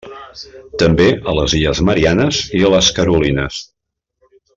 També a les Illes Mariannes i les Carolines.